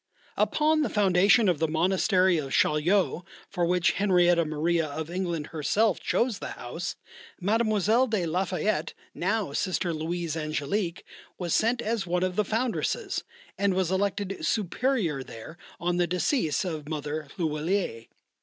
Upon the foundation of the monastery of Chaillot, for which Henrietta Maria of England herself chose the house, Mlle. de la Fayette, now Sister Louise Angélique, was sent as one of the foundresses, and was elected Superior there on the decease of Mother L'huillier.